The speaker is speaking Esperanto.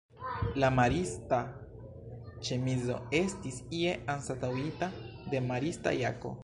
La marista ĉemizo estis ie anstataŭita de marista jako.